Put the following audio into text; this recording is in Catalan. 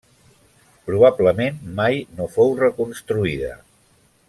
Probablement mai no fou reconstruïda.